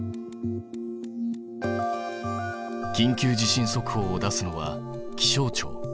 「緊急地震速報」を出すのは気象庁。